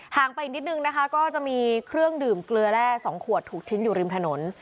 งไปอีกนิดนึงนะคะก็จะมีเครื่องดื่มเกลือแร่๒ขวดถูกทิ้งอยู่ริมถนน